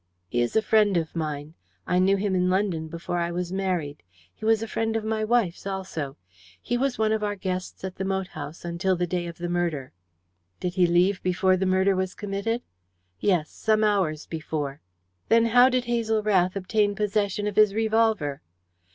"He is a friend of mine. I knew him in London before I was married. He was a friend of my wife's also. He was one of our guests at the moat house until the day of the murder." "Did he leave before the murder was committed?" "Yes; some hours before." "Then how did Hazel Rath obtain possession of his revolver?"